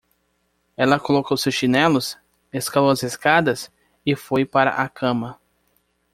Ela colocou seus chinelos? escalou as escadas? e foi para a cama.